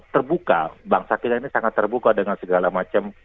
terbuka bangsa kita ini sangat terbuka dengan segala macam